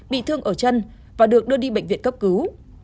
bị thương ở chân và được đưa đi bệnh viện cấp cứu